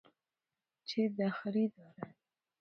!چه دخلی دارد